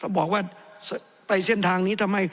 บอกว่าไปเส้นทางนี้ทำไม